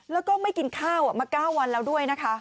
แล้วก็ไม่กินข้าวมา๙วันแล้วด้วยนะคะ